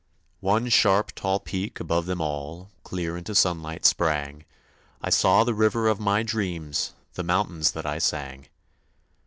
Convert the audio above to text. One sharp, tall peak above them all Clear into sunlight sprang I saw the river of my dreams, The mountains that I sang!